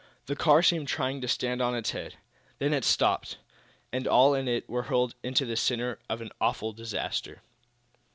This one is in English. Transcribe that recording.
The car seemed trying to stand on its head. Then it stopped, and all in it were hurled into the center of awful disaster.